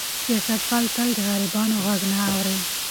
سیاستوال تل د غریبانو غږ نه اوري.